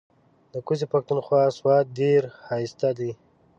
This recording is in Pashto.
ده کوزی پښتونخوا سوات ډیر هائسته دې